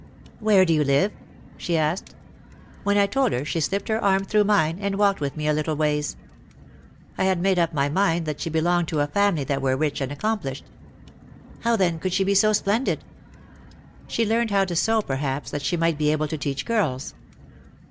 "Where do you live ?" she asked. When I told her she slipped her arm through mine and walked with me a little ways. OUT OF THE SHADOW 279 I had made up my mind that she belonged to a family that were rich and accomplished. "How then could she be so splendid ?" She learned how to sew, perhaps, that she might be able to teach girls.